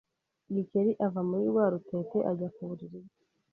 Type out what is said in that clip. Gikeli ava muri rwa rutete ajya ku buriri bwe